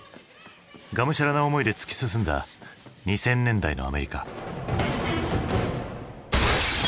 がむしゃらな思いで突き進んだ２０００年代のアメリカ。